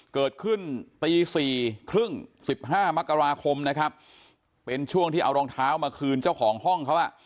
เกิดขึ้นตีสี่ครึ่งสิบห้ามกราคมนะครับเป็นช่วงที่เอารองเท้ามาคืนเจ้าของห้องเขาอ่ะ